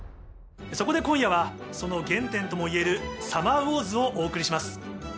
そこで今夜はその原点ともいえる『サマーウォーズ』をお送りします。